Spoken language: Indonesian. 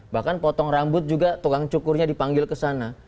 bahkan potong rambut juga tukang cukurnya dipanggil ke sana